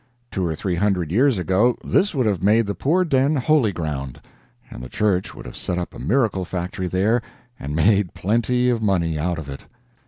Two or three hundred years ago, this would have made the poor den holy ground; and the church would have set up a miracle factory there and made plenty of money out of it.